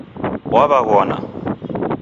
Wawaghona